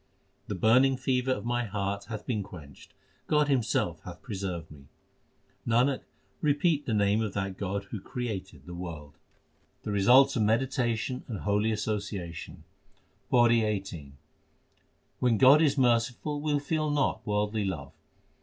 The burning fever of my heart hath been quenched ; God Himself hath preserved me. Nanak, repeat the name of that God who created the world. HYMNS OF GURU ARJAN 381 The results of meditation and holy association : PAURI XVIII When God is merciful we feel not worldly love.